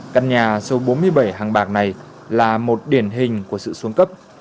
căn nhà số bốn mươi bảy hàng bạc này là một điển hình của sự xuống cấp